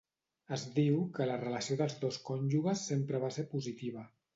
Es diu que la relació dels dos cònjuges sempre va ser positiva.